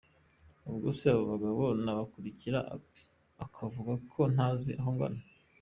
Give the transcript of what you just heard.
ubwo se abo bagabo nabakurikira ukavuga ko ntazi aho ngana?”.